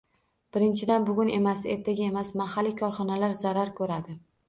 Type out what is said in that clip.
Birinchidan, bugun emas, ertaga emas, mahalliy korxonalar zarar ko'radi